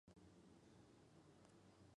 Se encuentra en el mar de Arabia.